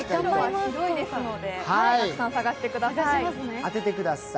広いですので、たくさん探してください。